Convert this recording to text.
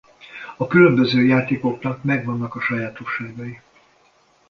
A különböző játékoknak meg vannak a sajátosságai.